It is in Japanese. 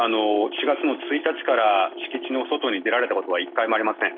４月１日から敷地の外に出られたことは１回もありません。